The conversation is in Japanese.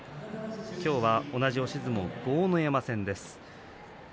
今日は同じ押し相撲豪ノ山戦です。